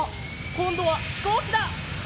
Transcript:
こんどはひこうきだ！